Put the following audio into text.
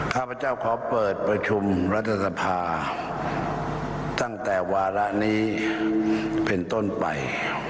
ข้าพเจ้าขอเปิดประชุมรัฐสภาตั้งแต่วาระนี้เป็นต้นไป